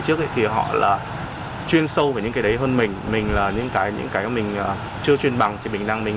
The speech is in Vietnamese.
trước thì họ là chuyên sâu về những cái đấy hơn mình mình là những cái mình chưa chuyên bằng thì